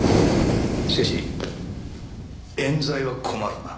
しかし冤罪は困るな。